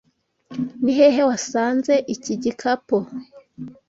Ni hehe wasanze iki gikapo?